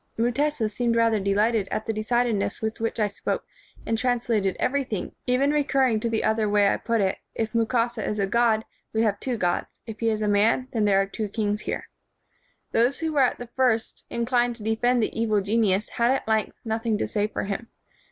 "Mutesa seemed rather delighted at the decidedness with which I spoke, and trans lated everything, even recurring to the other way I put it : 'If Mukasa is a god, we have two gods ; if he is a man, then there are two kings here.' Those who were at first in clined to defend the evil genius had at length nothing to say for him.